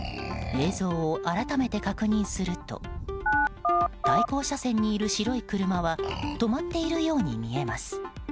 映像を改めて確認すると対向車線にいる白い車は止まっているように見えます。